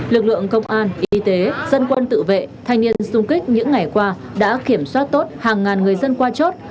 lực lượng công an y tế dân quân tự vệ thanh niên sung kích những ngày qua đã kiểm soát tốt hàng ngàn người dân qua chốt